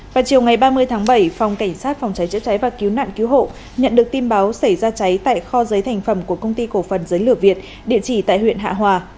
vào chiều ngày ba mươi tháng bảy phòng cảnh sát phòng cháy chữa cháy và cứu nạn cứu hộ nhận được tin báo xảy ra cháy tại kho giấy thành phẩm của công ty cổ phần giấy lửa việt địa chỉ tại huyện hạ hòa